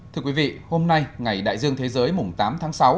thưa quý vị hôm nay ngày đại dương thế giới mùng tám tháng sáu